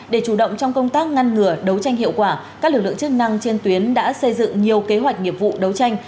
để chủ động trong công tác ngăn ngừa đấu tranh hiệu quả các lực lượng chức năng trên tuyến đã xây dựng nhiều kế hoạch nghiệp vụ đấu tranh